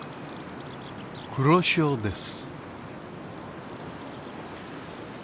黒潮です。